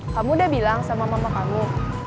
kamu udah bilang sama mama kamu